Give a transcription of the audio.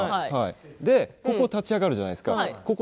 そして立ち上がるじゃないですか。